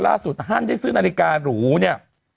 ล่าสุดห้านได้ซื้อนาฬิกาหรูเนี่ย